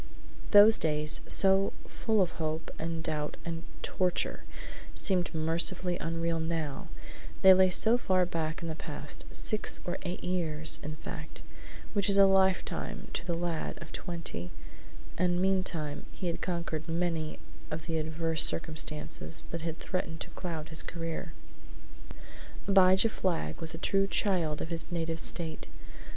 Those days, so full of hope and doubt and torture, seemed mercifully unreal now, they lay so far back in the past six or eight years, in fact, which is a lifetime to the lad of twenty and meantime he had conquered many of the adverse circumstances that had threatened to cloud his career. Abijah Flagg was a true child of his native State.